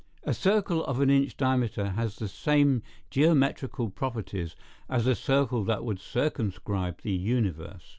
A circle of an inch diameter has the same geometrical properties as a circle that would circumscribe the universe.